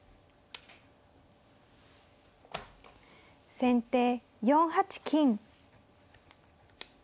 先手４八金。